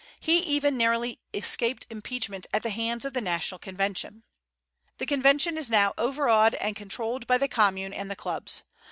He even narrowly escaped impeachment at the hands of the National Convention. The Convention is now overawed and controlled by the Commune and the clubs.